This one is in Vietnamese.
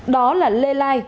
đó là lê lai